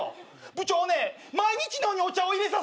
部長ね毎日のようにお茶を入れさせてくるんです。